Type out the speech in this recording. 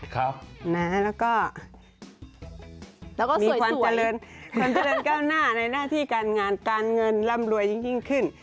แล้วก็มีความเจริญความเจริญก้าวหน้าในหน้าที่การงานการเงินร่ำรวยยิ่งขึ้น